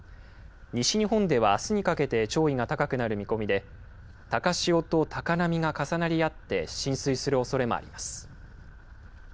西日本ではあすにかけて潮位が高くなる見込みで、高潮と高波が重なり合って浸水するおそれもあります。